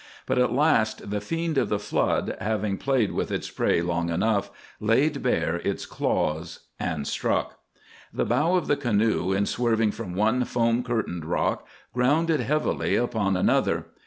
But at last the fiend of the flood, having played with its prey long enough, laid bare its claws and struck. The bow of the canoe, in swerving from one foam curtained rock, grounded heavily upon another.